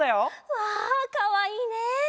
わあかわいいね！